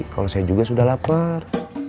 kalau saya juga sudah lapar